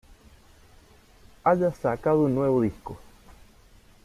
haya sacado un nuevo disco